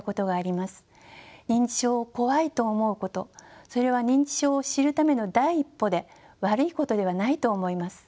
認知症を怖いと思うことそれは認知症を知るための第一歩で悪いことではないと思います。